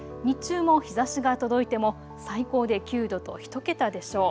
日中も日ざしが届いても最高で９度と１桁でしょう。